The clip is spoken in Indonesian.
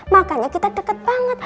makanya kita dekat banget